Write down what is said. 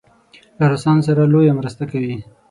له روسانو سره لویه مرسته کوي.